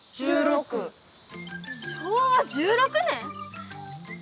昭和１６年？